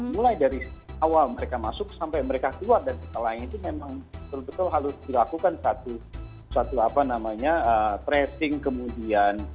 mulai dari awal mereka masuk sampai mereka keluar dan setelah itu memang terbetul harus dilakukan satu tracing kemudian